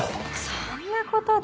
そんなことで？